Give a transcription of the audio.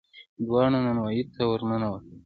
دواړه نانوايي ته ور ننوتل.